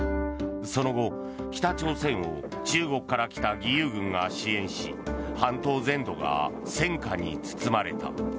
その後、北朝鮮を中国から来た義勇軍が支援し半島全土が戦火に包まれた。